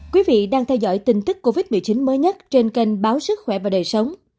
quý vị đang theo dõi tin tức covid một mươi chín mới nhất trên kênh báo sức khỏe và đời sống